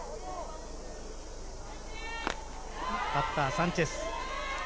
バッター、サンチェス。